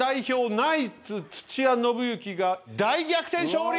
ナイツ土屋伸之が大逆転勝利！